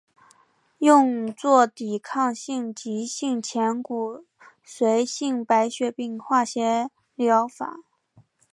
用作抵抗性急性前骨髓性白血病的化学疗法。